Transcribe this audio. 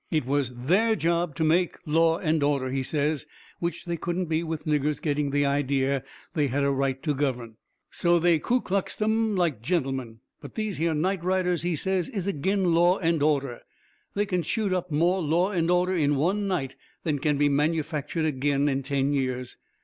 It was THEIR job to MAKE law and order, he says, which they couldn't be with niggers getting the idea they had a right to govern. So they Ku Kluxed 'em like gentlemen. But these here night riders, he says, is AGIN law and order they can shoot up more law and order in one night than can be manufactured agin in ten years.